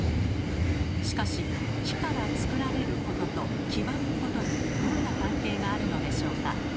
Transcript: しかし木から作られることと黄ばむことにどんな関係があるのでしょうか？